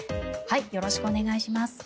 よろしくお願いします。